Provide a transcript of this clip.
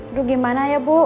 aduh gimana ya bu